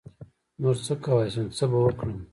نـور څه کوی شم څه به وکړم.